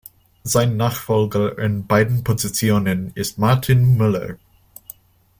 Sein Nachfolger in beiden Positionen ist Martin Möller.